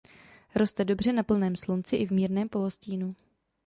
Roste dobře na plném slunci i v mírném polostínu.